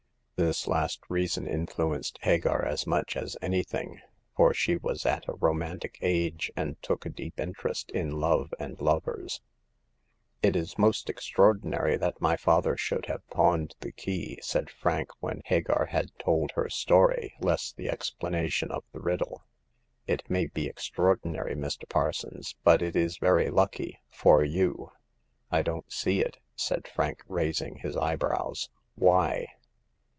This last reason influenced Hagar as much as anything, for she was at a romantic age, and took a deep interest in love and lovers. The Fifth Customer. 143 " It is most extraordinary that my father should have pawned the key," said Frank, when Hagar had told her story, less the explanation of the riddle. " It may be extraordinary, Mr. Parsons, but it is very lucky — for you.'* I don't see it,'' said Frank, raising his eye brows. '' Why."